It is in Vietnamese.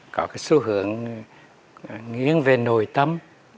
có cái xu hưởng nghiêng về nội tâm